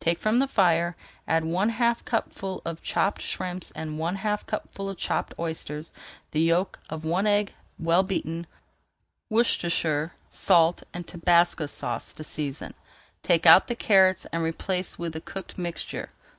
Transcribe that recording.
Take from the fire, add one half cupful of chopped shrimps and one half cupful of chopped oysters, the yolk of one egg well beaten, and Worcestershire, salt, and Tabasco Sauce to season. Take out the carrots and replace with the cooked mixture.